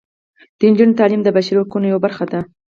د نجونو تعلیم د بشري حقونو یوه برخه ده.